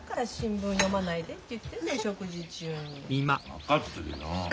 分かってるよ。